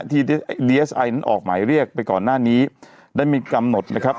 ที่ออกหมายเรียกไปก่อนหน้านี้ได้มีกำหนดนะครับ